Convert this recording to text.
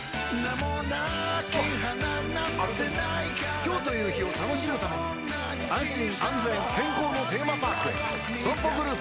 今日という日を楽しむために安心安全健康のテーマパークへＳＯＭＰＯグループ